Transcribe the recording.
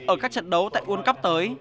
ở các trận đấu tại uol cup tới